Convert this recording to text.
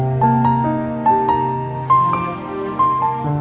aku gak bisa tidur semalaman